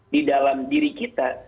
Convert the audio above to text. di dalam diri kita